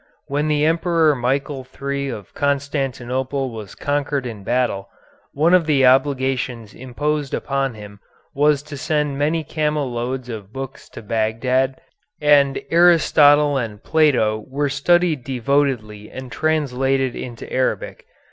When the Emperor Michael III of Constantinople was conquered in battle, one of the obligations imposed upon him was to send many camel loads of books to Bagdad, and Aristotle and Plato were studied devotedly and translated into Arabic.